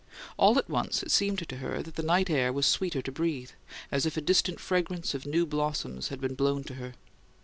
All at once it seemed to her that the night air was sweeter to breathe, as if a distant fragrance of new blossoms had been blown to her.